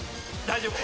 大丈夫。